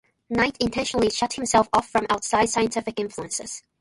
Knight intentionally shut himself off from outside scientific influences.